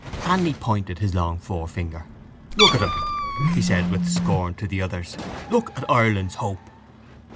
Cranly pointed his long forefinger. —Look at him! he said with scorn to the others. Look at Ireland's hope!